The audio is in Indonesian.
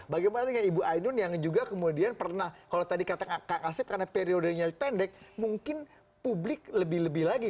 bagaimana dengan ibu ainun yang juga kemudian pernah kalau tadi kata kak asep karena periodenya pendek mungkin publik lebih lebih lagi